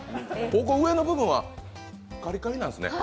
上の部分はカリカリなんですね。